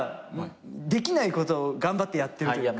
できないことを頑張ってやってる。